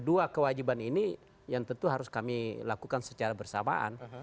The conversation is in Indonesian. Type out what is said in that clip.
dua kewajiban ini yang tentu harus kami lakukan secara bersamaan